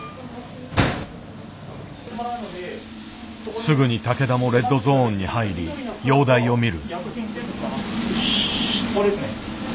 すぐに竹田もレッドゾーンに入り容体を診る。